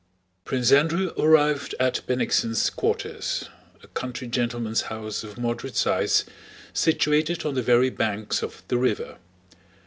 Prince Andrew arrived at Bennigsen's quarters—a country gentleman's house of moderate size, situated on the very banks of the river.